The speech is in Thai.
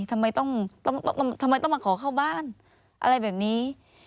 ทำไมต้องมาขอเข้าบ้านอะไรแบบนี้